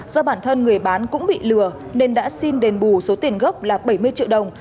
do bản thân người bán cũng bị lừa nên đã xin đền bù số tiền gốc là bảy mươi triệu đồng